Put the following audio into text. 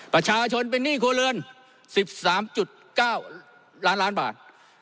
ประชาชนเป็นหนี้ครัวเรือนสิบสามจุดเก้าล้านล้านบาท